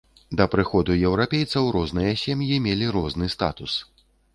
Да прыходу еўрапейцаў розныя сем'і мелі розны статус.